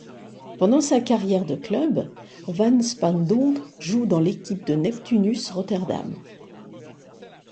Pendant sa carrière de club, van Spaandonck joue dans l'équipe du Neptunus Rotterdam.